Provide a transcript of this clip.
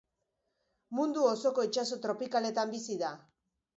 Mundu osoko itsaso tropikaletan bizi da.